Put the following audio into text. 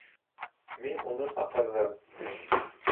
Мин уны саҡырҙым.